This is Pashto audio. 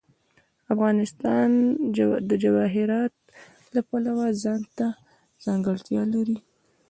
افغانستان د جواهرات د پلوه ځانته ځانګړتیا لري.